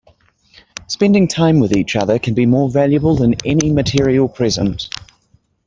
Spending time with each other can be more valuable than any material present.